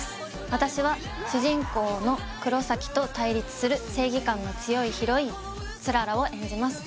私は主人公の黒崎と対立する正義感の強いヒロイン氷柱を演じます